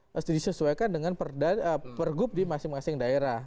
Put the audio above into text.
itu kan disesuaikan dengan per group di masing masing daerah